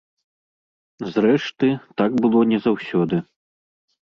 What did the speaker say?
Зрэшты, так было не заўсёды.